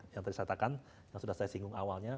yang tadi saya katakan yang sudah saya singgung awalnya